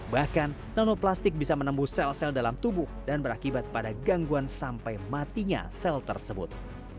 bahkan nanoplastik bisa menembus sel sel dalam tubuh dan berakibat pada gangguan sampai matinya sel tersebut